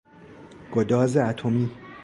گداز اتمی